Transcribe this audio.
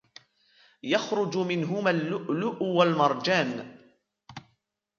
يخرج منهما اللؤلؤ والمرجان